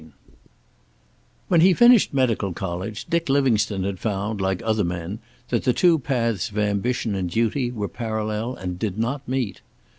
V When he finished medical college Dick Livingstone had found, like other men, that the two paths of ambition and duty were parallel and did not meet.